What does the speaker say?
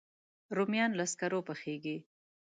رومیان له سکرو پخېږي